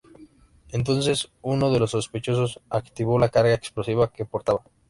Entonces, uno de los sospechosos activó la carga explosiva que portaba.